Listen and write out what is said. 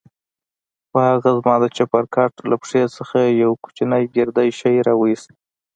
خو هغه زما د چپرکټ له پښې څخه يو کوچنى ګردى شى راوايست.